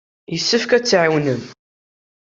Yessefk ad tt-tɛawnem.